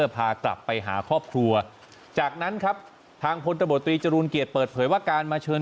พากลับไปหาครอบครัวจากนั้นครับทางพลตบตรีจรูลเกียรติเปิดเผยว่าการมาเชิญ